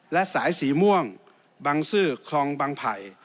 และสายสีม่วงบังซื้อคลองบางไผ่